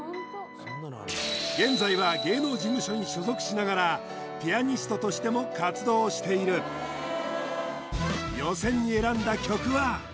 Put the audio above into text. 現在は芸能事務所に所属しながらピアニストとしても活動している予選に選んだ曲は？